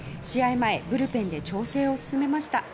前、ブルペンで調整を進めました。